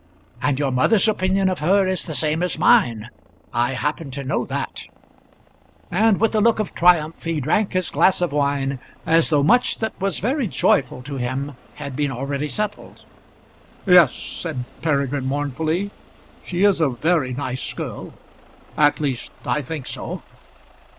And your mother's opinion of her is the same as mine. I happen to know that;" and with a look of triumph he drank his glass of wine, as though much that was very joyful to him had been already settled. "Yes," said Peregrine mournfully, "she is a very nice girl; at least I think so."